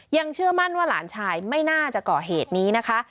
เชื่อมั่นว่าหลานชายไม่น่าจะก่อเหตุนี้นะคะ